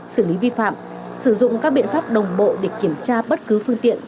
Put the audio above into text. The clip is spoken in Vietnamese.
xử lý vi phạm sử dụng các biện pháp đồng bộ để kiểm tra bất cứ phương tiện